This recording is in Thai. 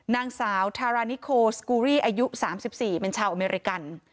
นางสาวทารานิโคสกูรีอายุ๓๔เป็นชาวอเมริกัน